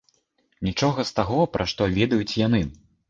Нічога з таго, пра што ведаюць яны.